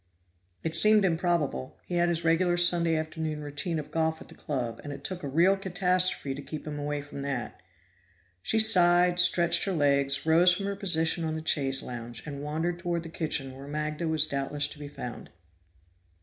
It seemed improbable; he had his regular Sunday afternoon routine of golf at the Club, and it took a real catastrophe to keep him away from that. She sighed, stretched her legs, rose from her position on the chaise lounge, and wandered toward the kitchen where Magda was doubtless to be found.